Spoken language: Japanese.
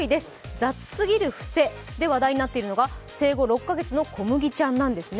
雑すぎる伏せで話題になっているのは、生後６か月のこむぎちゃんなんですね。